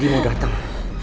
adi mau datang